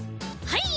はい。